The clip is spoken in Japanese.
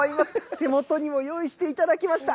手元にも用意していただきました。